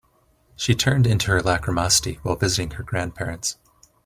She turned into her lachrymosity while visiting her grandparents.